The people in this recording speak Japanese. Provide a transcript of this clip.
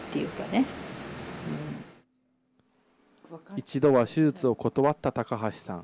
一度は手術を断った高橋さん。